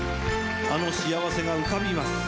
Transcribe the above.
あの幸せが浮かびます。